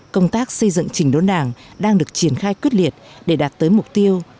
công tác xây dựng trình đốn đảng đang được triển khai quyết liệt để đạt tới mục tiêu